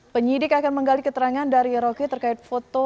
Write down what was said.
penyidik akan menggali keterangan dari rocky terkait foto